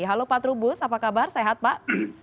halo pak trubus apa kabar sehat pak